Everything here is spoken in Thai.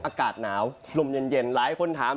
อากาศหนาวลมเย็นหลายคนถาม